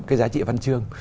cái giá trị văn chương